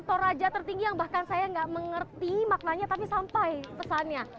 toraja tertinggi yang bahkan saya nggak mengerti maknanya tapi sampai pesannya